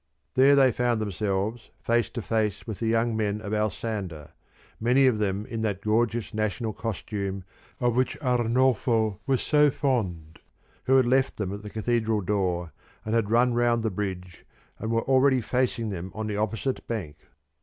There they found themselves face to face with the young men of Alsander, many of them in that gorgeous national costume of which Arnolfo was so fond, who had left them at the Cathedral door and had run round the bridge and were already facing them on the opposite bank.